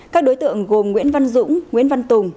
các đối tượng gồm nguyễn văn dũng nguyễn văn tùng